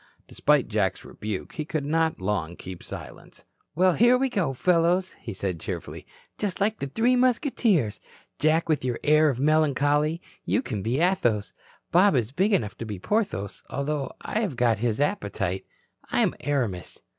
Despite Jack's rebuke, he could not long keep silence. "Well, here we go, fellows," he said cheerfully, "just like the Three Musketeers. Jack with your air of melancholy you can be Athos. Bob is big enough to be Porthos, although I have got his appetite. I'm Aramis."